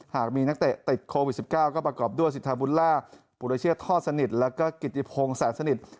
หากมีนักเตะติดโควิด๑๙ก็ประกอบด้วยสิทธาบุญล่าปุรเชษท่อสนิทแล้วก็กิติพงศ์แสนสนิท